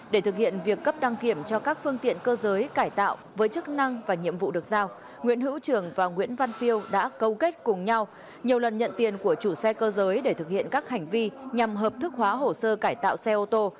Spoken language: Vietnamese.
để thực hiện việc cấp đăng kiểm cho các phương tiện cơ giới cải tạo với chức năng và nhiệm vụ được giao nguyễn hữu trường và nguyễn văn phiêu đã câu kết cùng nhau nhiều lần nhận tiền của chủ xe cơ giới để thực hiện các hành vi nhằm hợp thức hóa hồ sơ cải tạo xe ô tô